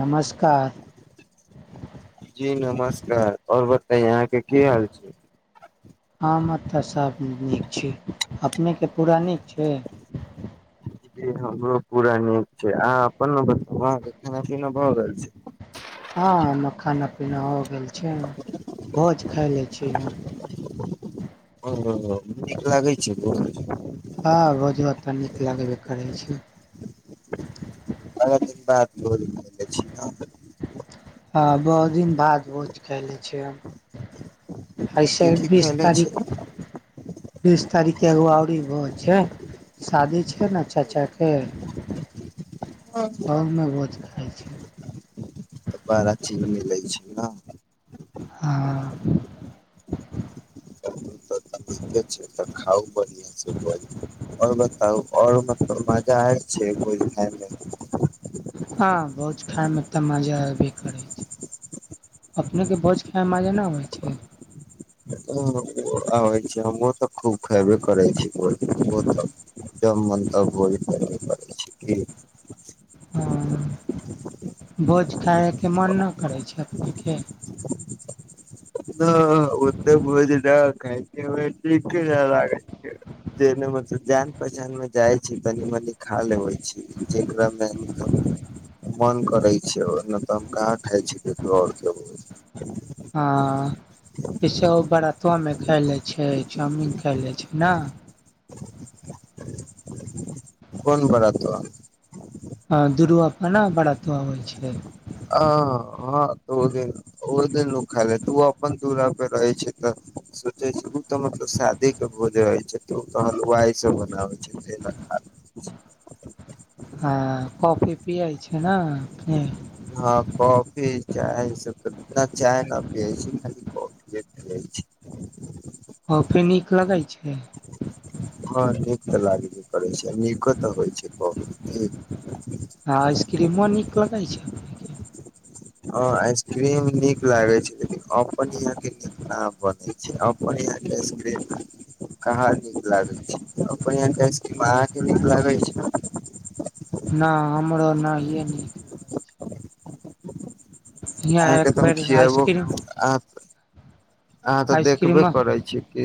नमस्कार जी नमस्कार आओर बताइ अहाँके के की हाल छै तऽ सभ नीक छै [inaudible] अपनेके पूरा नीक छैय जी हमरो पूरा नीक छै अहाँ अपन न बताउ आहा के खाना पीना भऽ रहल छै हँ खाना पीना हो गेल छै भोज खाय ले चीना [inaudible] ओ नीक लागै छै भोज लागबे करै छैय बाड़ा दिन बाद भोज खायले छी हँ बहुत दिन बाद भोज खाइलै छी एइसे की की बीस खैले छी तऽ तारीख बीस तारीख के एगो औड़ी भोज छै शादी छै न चाचा के ह [inaudible] तब न भोज खाइ छैय तऽ बड़ा चीज मिलै छै न हां ठीके छै तऽ खाउ बढ़िया से भोज और बताउ और मतलब मजा आय छै भोज खाइमे हां भोज खाय मे तऽ मजा अबै करै छै अपनेे के भोज खाय मे मजा नहि अबइ छै ओ आबै छै [inaudible] हमहु तऽ खूब खेबे करै छी त जब मन तब भोज खाएबे करै छी की हँ भोज खायके मन नहि करै छै अपनेके ह ओ तऽ भोज क लागै छै जे [inaudible] जान पहचान मे जाइ छै तनी मनी खा लेबै छै जेकरा मे मत मन करै छै ओ नैय तऽ हम कहाँ खाइ छी ककरो आओर के भोज हँ जैसे ओ बरातआमे खाए लै छै चाऊमीन खाए लै छै न कोन बरातआ में ह दूरुआ अपना [inaudible] पड़त होइ छै [inaudible] आ हँ ओ ओखा ले त [inaudible] ओ अपन दुरा प रहै छै तऽ सोचे छै ओ तऽ मतलब शादी के भोज रहै छै तऽ ओ तऽ हलुवाय से बनाबै छै अच [inaudible] हँ कॉफी पियै छै न हँ कॉफी चाय सब चाय न पिय छी खाली कॉफिए [inaudible] ओफी नी करैय छै हँ ठीक तऽ [inaudible] लागबे करै छै नीको [inaudible] तऽ होइ छै ब ठ आइस्क्रीमो नीक लगे छै [inaudible] ह आइसक्रीम नीक लागे छै लेकिन अपन यहा के नीक न बनै छै अपन यहाँ के आइसक्रिम कहाँ नीक लागै छै अपन यहा के आशस्क्रिम अहाँ के नीक लागै छै न हमरो न या निक हियाँ अहाँ एक के त हम बेर खिबो आइसक्रीम अह अहाँ तऽ देखबे आइसक्रीम करै छी कि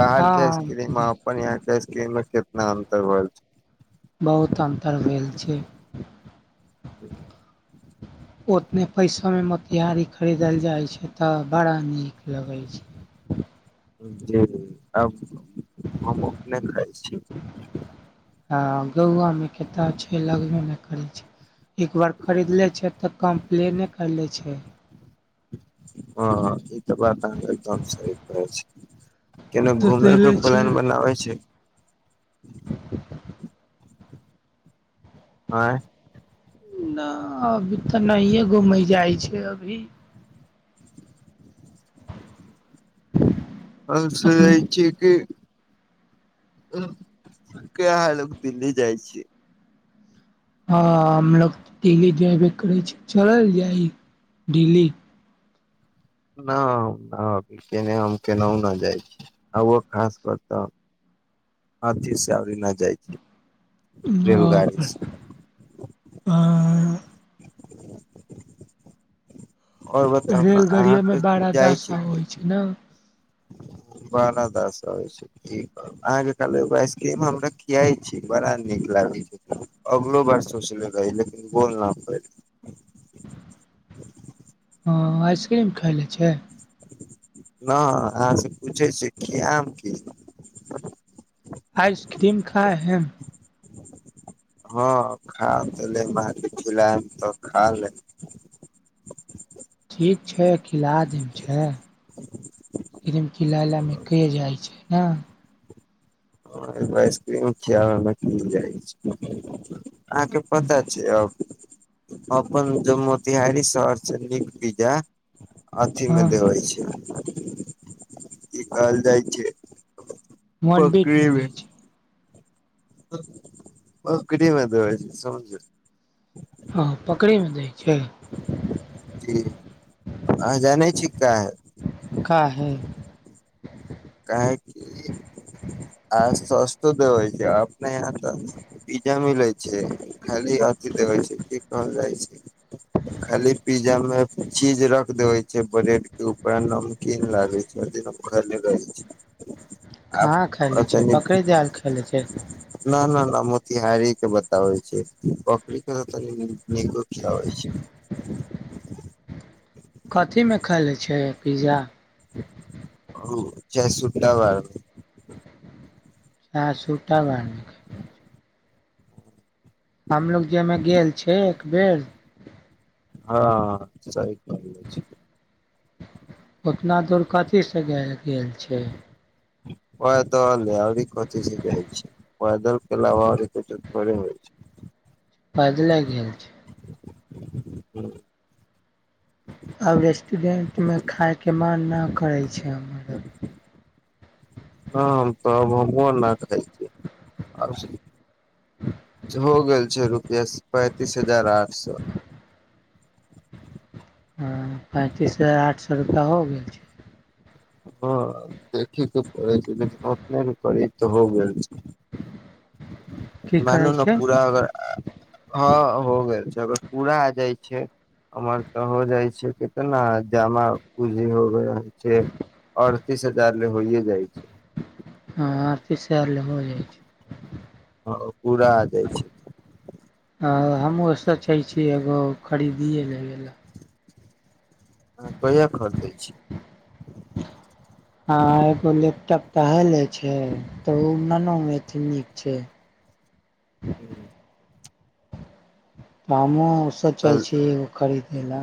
बाहर के हँ आइसक्रीम अपन यहााँ के आइसक्रीम मे कितना अन्तर भेल छै बहुत अन्तर भेल छै [inaudible] ओतने पैसा मे मोतिहारी खरीदल जाइत छै तऽ बड़ा नीक लगै छै [inaudible] जी अब हम अपने खाइ छी हँ गौआमे कतेक छै लगबमे करै छै एकबार खरीद लै छै तऽ कम्प्लेने कर ले छै हँ ई तऽ बात आहा एकदम सही कहै छै केने तऽ घुमे देले के छै प्लन बनाब छै आँइ ना अभी तऽ नहिए घूमै जाइ छै अभी आस अपने जाइ छै कि क्या आहा लोक दिल्ली जाय छी हँ हमलोग दिल्ली जेबे करै छी चलल जाइ दिल्ली न हम नइ अभी हम केन्हु ना जाइ छी आो खास कर त आथी सेावरी न जाइ छै आ आ आओर बताउ न आहा बारा दशा होइ छै ने ह [inaudible] बारा दसा होय छै की कहु अहाँ के कहल एगो आइसक्रीम हमरा खिया छी बड़ा नीक अगलो बार सोचले रही लेकिन बोल न पइली ह आइसक्रीम खायले [inaudible] नय अहाँ से पूछै छिय की आम की आइसक्रीम खा हे हँ खा त लेम आहा के खिलैम त खा लेम ठीक छै खिला देब छै फिलम क लालामे कहि जाइ छै ने आइसक्रीम खियाबमे की जाइ छै अहाँ के पता छै यौ अपन जे मोतिहारी शहर छै नीक विजा अथि हँ मे देवै छै की कहल जाइ छै वन बीट मे जाइ छै बकरी मे दबै छै समझू हँ पकडरी मे दैके छै जी आहा जानय छी काहै काहे काहे की आ सस्तो दे होइ छै अपने य तऽ किया मिलै छै खाली अथी देबै छै की कहल जाइ छै खाली पिज्जा में चीज रख देवे छै ब्रेड के ऊपर नमकीन लागे छै घर ल गै कहाँ खाय [unintelligible] ले आता छै पकड़े जाल खाय ले छै न न न [unintelligible] मोतिहारी के बताबै छैइ बकरी के तनी नीको खियाबैइ छैइ [inaudible] कथीमे खाय लै छैय पिज्जा अउ चय सुुट्टा बार मे आहां सुट्टा बार हमलोग जेमे गेल छैय एक बेर हां सही कहलअई अछि उतना दूर कथीसे गेल गेल छैइ पता नई अभी कथी से जाइ छैइ पैदल [unintelligible] पला वावर क त रे होइ छै पैदले गेल छैय ह्म [inaudible] अब रेस्टरेंट मे खाय के मन न करै छै अब [inaudible] [unintelligible] हँ हम त हमु ना खायछी हो गेल छैइ रुपैआ पैंतीस हजार आठ सए [inaudible] हूंअ् पैंतीस हजार आठ सए रुपैआ हो गेल छैइ हां देखे के पड़ै छैइ लेकिन ओतना के करीब तऽ हो गेल छैइ की मानू करे ने छै पूरा अगर हँ हो गेल अगर पूरा आ जाइ छैइ उम्हर तऽ हो जाइ छैइ केतना जामा पूँजी होबऽह छे अड़तीस हजार ले होइए जाइ छैइ हां अड़तीस हजार आर ले हो जा छैइ हंअ् पूरा आ जाइ छैइ हमहूँ सोचैइ छीअइ एगो खरीदिए लबेला हां कहिया खरीदै छी हं एगो लैपटॉप कहले छे तऽ ओ ननू मेथ नीक छै ह्म [inaudible] हामो सोचै कल छी एगो खरीदय ला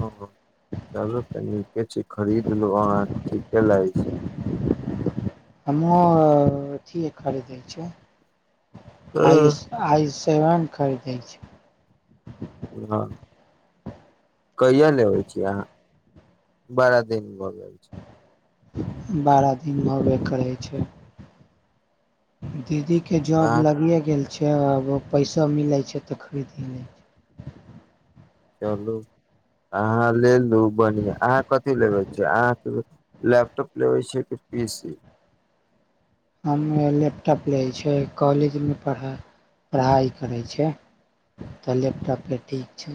हँ चलू तऽ नीके छैइ खरीदलू अहाँ ठीके लहैछइ हमू अथिए खरीद छैइ छै आइस आइस तै आम खरीदै छै हँ कहिया लेबैइ छी अहाँ बारा दिन भ गेल छै बारह दिनमे होबय करैय छै दीदी के जॉब अहाँ लगिेए गेल छै आब पैसो मिलैय छै तऽ खरीद लिय छ चलू अहाँ लेलू बन्हिआ अहाँ कथी लेबै छियै अहाँके लैपटॉप लेबै छियै कि ईसी हम लैपटॉप लै छैय कॉलेजमे पढ़ाइ पढ़ाई करैय छै तऽ लैपटॉपे ठीक छै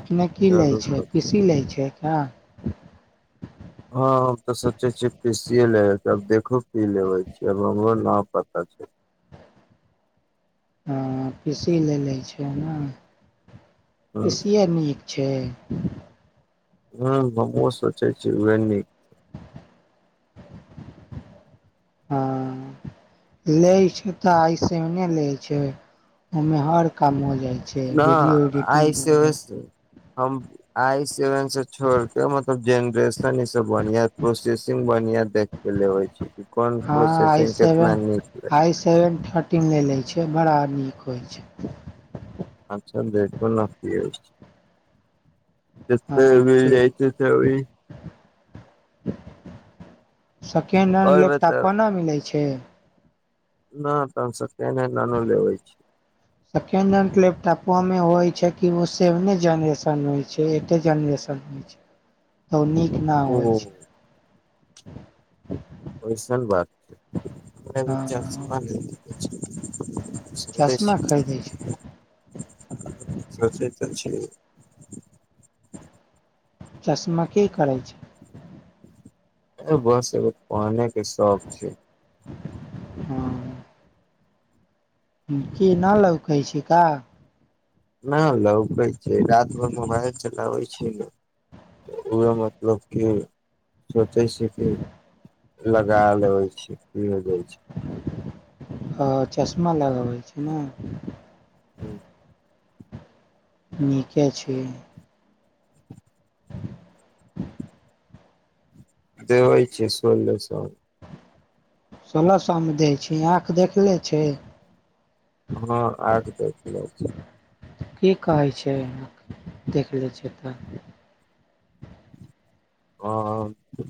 अपने की लै चलू तऽ छै पीसी लै छै का हँ हम तऽ सोचै छियै पसियए लेबे के अब देखो की लेबै छी अब हमरो न पता छै हँ पीसी ले लै छै ना ह पीसए नीक छैय ह हम ओ सोचै छी उह ने [unintelligible] हँ ले छै तऽ ऐसे ओने ले छै ओमे हर काम हो जाइ छै न वीडियो एडिटिंग आइ भी से हो जाइ होस हम आई सेवन से छोड़ के मतलब जेनरेस सब बढ़िया प्रोसेसिंग बढ़िया देख के लेवे छै कोन हँ आइ प्रोसेसिंग केितना सेवन निक ल [unintelligible] आइ सेवन थर्टीमे ल लै छै बड़ा नीक होइ छै अच्छा देखु ने जते हँ मिल ठीक जाइ त छै अभी सेकेंड हैंड आओर लैपटॉप बताउ कोना मिलै छै न तन हम सेकेंड हेंड नहि नान लेबै छै सेकेंड हेंड लेपटॉपमे होइ छै कि ओ सेवन जनरेशन हो छैन अते जेंरेसण नीक ना ओ होय छै ओहिसन बात छै हँ चश्मा खरीदै छै सोचै त छियै [unintelligible] चश्मा के करै छै बस एगो पहने के शौक छै हँ की नहि लौकै छै का न लोके छै रति भर मोबाइल चलाबै छै ने ओए मतलब कि सोचै छै कि लगा लेबै छी जाइ आ चश्मा लगाबै छी ने छै नीके छी दे होइ छै सोलह सो सोलह सो मे दै छै आँख देखले छै हँ आज देख ल छै की कहै छै एहिमे देख लै छैय तऽ हा हाँ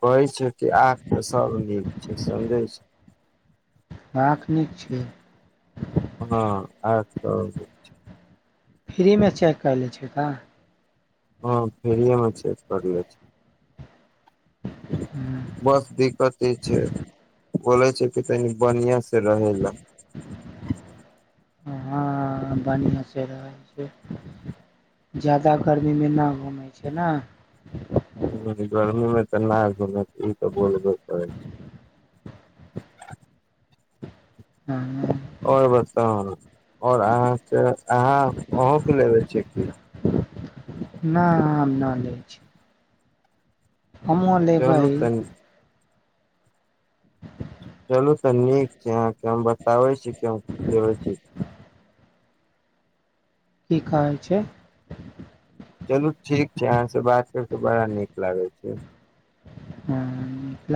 कहै छै कि आख तऽ सभ नीक छै समझै छै राख नीक छै हँ आँख सब फ्रीमे चेक कऽ लै छिय तऽ हँ फिरि मे चेक करले छै बस दिक्कत ई छै बोलै छै कि तनि बढिया से रहै ला हँ बढिया से रहै छै ज्यादा गर्मी मे ना घूमै छै ना ह गर्मी मे तऽ नहि घुमे ई तऽ बोलबे करै छै हँ बर्तन ओर अह अहाँ अह लेबे छ क ना हम ना लै छियै हम हूँ चलू लेबैय तऽ कें बताबै छी के लेबे छी की कहै छै चलू ठीक छै अहाँ से बात करि कऽ बड़ा नीक लागै छै ह